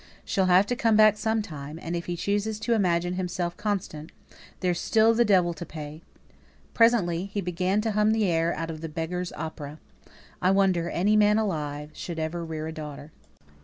She'll have to come back some time, and if he chooses to imagine himself constant, there's still the devil to pay." Presently he began to hum the air out of the "Beggar's Opera" I wonder any man alive Should ever rear a daughter.